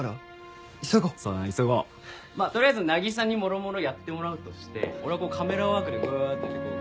まあとりあえずなぎさにもろもろやってもらうとして俺はこうカメラワークでグーッてやってこう。